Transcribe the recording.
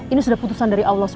ini sudah putusan dari allah swt